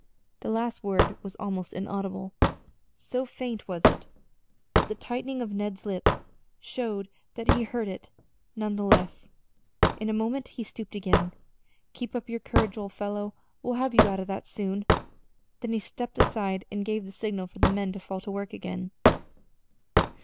The last word was almost inaudible, so faint was it; but the tightening of Ned's lips showed that he had heard it, none the less. In a moment he stooped again. "Keep up your courage, old fellow! We'll have you out of that soon." Then he stepped aside and gave the signal for the men to fall to work again.